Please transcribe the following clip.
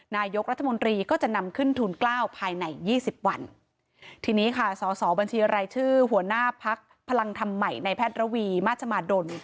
นายกรัฐมนตรีก็จะนำขึ้นทุนเกล้าภายในยี่สิบวันทีนี้ค่ะสอสอบัญชีรายชื่อหัวหน้าพักพลังธรรมใหม่ในแพทย์ระวีมาชมาดล